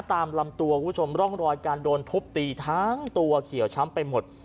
ตามลำตัวคุณผู้ชมร่องรอยการโดนทุบตีทั้งตัวเขียวช้ำไปหมด